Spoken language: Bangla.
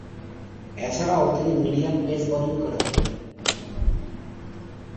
এছাড়াও তিনি মিডিয়াম পেস বোলিং করে থাকেন।